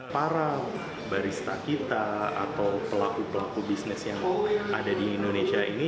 para barista kita atau pelaku pelaku bisnis yang ada di indonesia ini